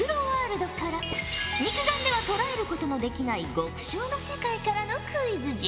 肉眼では捉えることのできない極小の世界からのクイズじゃ。